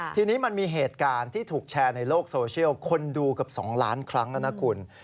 ทีนี้มันมีเหตุการณ์ที่ถูกแชร์ในโลกโซเชียลคนดูเกือบ๒ล้านครั้งแล้วนะคุณ